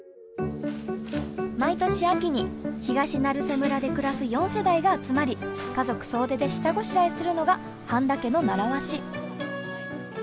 毎年秋に東成瀬村で暮らす４世代が集まり家族総出で下ごしらえするのが半田家の習わし。